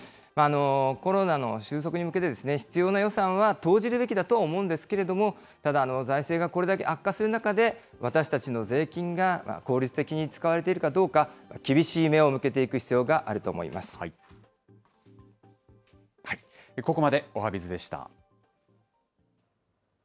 コロナの収束に向けて必要な予算は投じるべきだとは思うんですけれども、ただ、財政がこれだけ悪化する中で、私たちの税金が効率的に使われているかどうか、厳しい目を向けていく必要があると思ここまでおはＢｉｚでした。